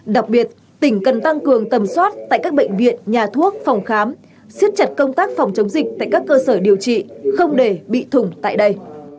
đặc biệt tỉnh cần tăng cường tầm soát tại các bệnh viện nhà thuốc phòng khám siết chặt công tác phòng chống dịch tại các cơ sở điều trị không để bị thủng tại đây